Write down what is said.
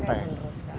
mereka yang menduruskan